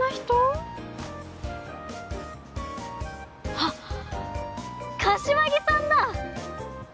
あっ柏木さんだ！